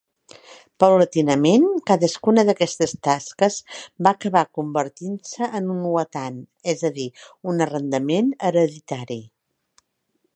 Paulatinament, cadascuna d'aquestes tasques va acabar convertint-se en un watan, és a dir, un arrendament hereditari.